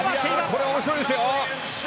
これは面白いですよ。